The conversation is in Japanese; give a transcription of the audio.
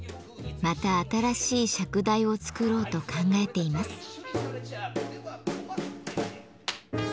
また新しい釈台を作ろうと考えています。